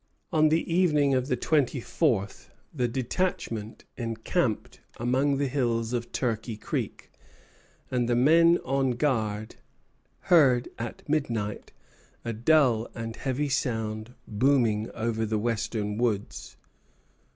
On the evening of the twenty fourth, the detachment encamped among the hills of Turkey Creek; and the men on guard heard at midnight a dull and heavy sound booming over the western woods.